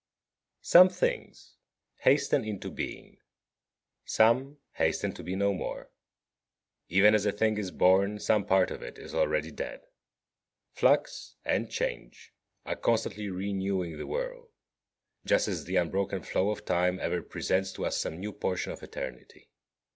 15. Some things hasten into being. Some hasten to be no more. Even as a thing is born some part of it is already dead. Flux and change are constantly renewing the world, just as the unbroken flow of time ever presents to us some new portion of eternity.